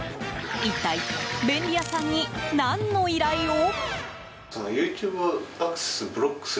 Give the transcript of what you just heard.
一体、便利屋さんに何の依頼を？